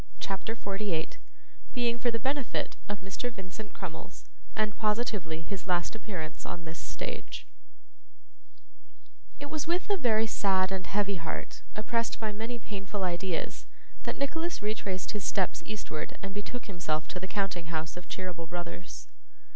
CHAPTER 48 Being for the Benefit of Mr. Vincent Crummles, and positively his last Appearance on this Stage It was with a very sad and heavy heart, oppressed by many painful ideas, that Nicholas retraced his steps eastward and betook himself to the counting house of Cheeryble Brothers.